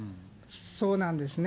そうなんですね。